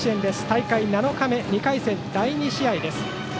大会７日目の２回戦、第２試合です。